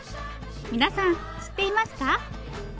皆さん知っていますか？